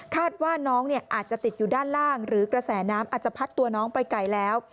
ว่าน้องอาจจะติดอยู่ด้านล่างหรือกระแสน้ำอาจจะพัดตัวน้องไปไกลแล้ว